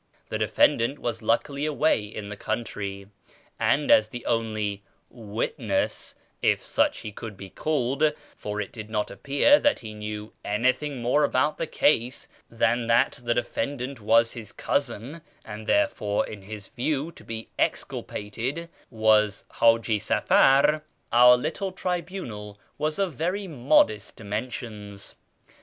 The defendant was luckily away in the country, and as the only " witness " (if such he could be called, for it did not appear that he knew anything more about the case than that the defendant was his cousin, and therefore, in his view, to be exculpated) was Haji Safar, our little tribunal was of very modest dimensions.